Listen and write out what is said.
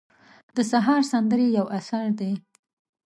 د سهار سندرې یو اثر دی.